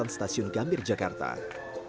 nah selanjutnya dari di ekor tempat beristirahat